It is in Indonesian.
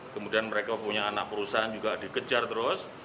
kemudian mereka punya anak perusahaan juga dikejar terus